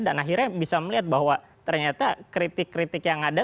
dan akhirnya bisa melihat bahwa ternyata kritik kritik yang ada